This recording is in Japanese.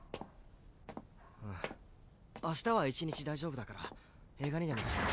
うん明日は１日大丈夫だから映画にでも。